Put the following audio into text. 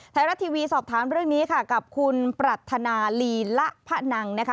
ไทยรัฐทีวีสอบถามเรื่องนี้ค่ะกับคุณปรัฐนาลีละพะนังนะคะ